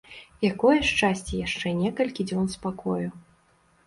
Якое шчасце яшчэ некалькі дзён спакою!